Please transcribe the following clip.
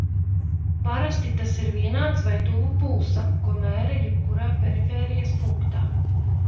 Parasti tas ir vienāds vai tuvu pulsam, ko mēra jebkurā perifērijas punktā.